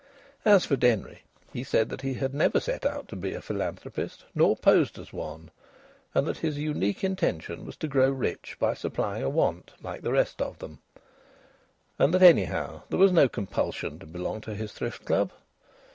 As for Denry, he said that he had never set out to be a philanthropist nor posed as one, and that his unique intention was to grow rich by supplying a want, like the rest of them, and that anyhow there was no compulsion to belong to his Thrift Club.